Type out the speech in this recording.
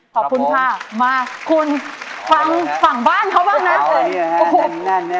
ขอบคุณค่ะมาคุณฟังฝั่งบ้านเขาบ้างนะ